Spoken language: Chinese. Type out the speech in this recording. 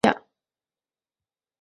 多亏孙膑说情留下。